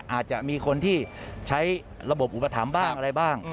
อาจจะมีคนที่ใช้ระบบอุปถัมภ์บ้างอะไรบ้าง